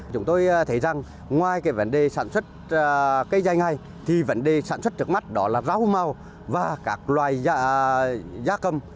chúng tôi thấy rằng ngoài cái vấn đề sản xuất cây dài ngày thì vấn đề sản xuất trước mắt đó là rau màu và các loài gia cầm